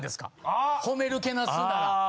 褒めるけなすなら。